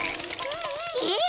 えっ⁉